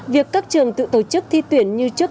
việc các trường tự tổ chức thi tuyển như trước